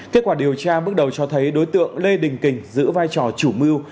kết quả điều tra bước đầu cho thấy đối tượng lê đình kình giữ vai trò chủ mưu